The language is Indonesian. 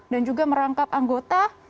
dan juga merangkap anggota